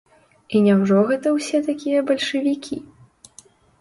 І няўжо гэта ўсе такія бальшавікі?